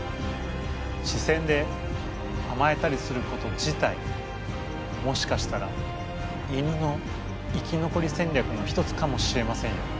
視線であまえたりすること自体もしかしたら犬の生き残り戦略の一つかもしれませんよ。